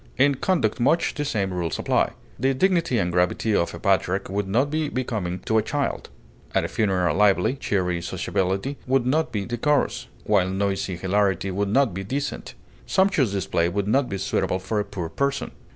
In conduct much the same rules apply. The dignity and gravity of a patriarch would not be becoming to a child; at a funeral lively, cheery sociability would not be decorous, while noisy hilarity would not be decent; sumptuous display would not be suitable for a poor person.